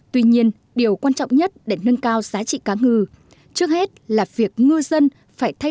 tuy nhiên điều quan trọng nhất để nâng cao giá trị cá ngừ trước hết là việc ngư dân phải thay đổi